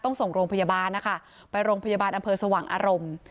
ส่งโรงพยาบาลนะคะไปโรงพยาบาลอำเภอสว่างอารมณ์